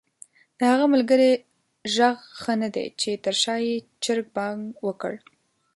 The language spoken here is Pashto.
د هغه ملګري ږغ ښه ندی چې تر شا ېې چرګ بانګ وکړ؟!